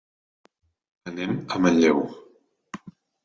Anem a Manlleu.